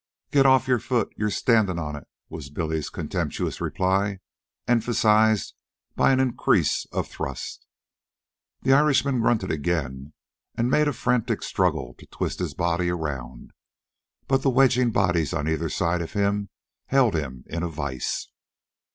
"Get off your foot; you're standin' on it," was Billy's contemptuous reply, emphasized by an increase of thrust. The Irishman grunted again and made a frantic struggle to twist his body around, but the wedging bodies on either side held him in a vise.